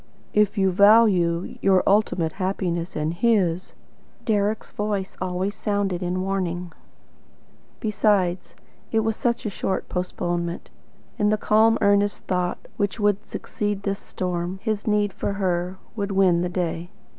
"IF YOU VALUE YOUR ULTIMATE HAPPINESS AND HIS," Deryck's voice always sounded in warning. Besides, it was such a short postponement. In the calm earnest thought which would succeed this storm, his need of her, would win the day.